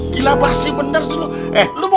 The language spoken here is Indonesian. gila bahasanya bener sih lu eh lu mau